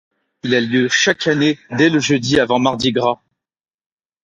Il a lieu chaque année, dès le jeudi avant Mardi gras.